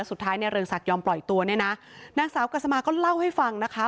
สุดท้ายในเรืองศักดิยอมปล่อยตัวเนี่ยนะนางสาวกัสมาก็เล่าให้ฟังนะคะ